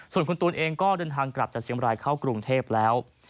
ส่วนคุณตูนเองก็เดินทางกลับจากเชียงบรายเข้ากรุงเทพแล้ว